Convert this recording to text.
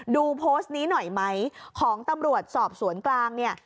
ดูโพสต์นี้หน่อยไหมของตำรวจสอบสวนกลางเนี่ย